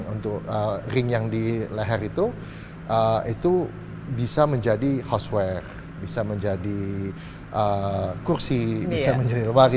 untuk ring yang di leher itu itu bisa menjadi host wear bisa menjadi kursi bisa menjadi lemari